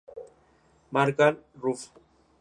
Margall, Ruf.